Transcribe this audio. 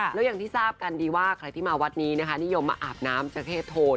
แล้วอย่างที่ทราบกันดีว่าใครที่มาวัดนี้นะคะนิยมมาอาบน้ำเจ้าเพศโทน